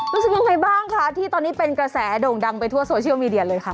รู้สึกยังไงบ้างคะที่ตอนนี้เป็นกระแสโด่งดังไปทั่วโซเชียลมีเดียเลยค่ะ